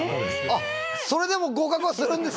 それでも合格はするんですね。